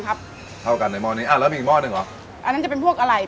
เข้ากันในหม้อนี้อ่าแล้วมีอีกหม้อหนึ่งเหรออันนั้นจะเป็นพวกอะไร